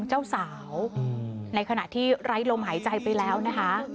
เจ้าสาวในขณะที่ไร้ลมหายใจไปแล้วนะคะ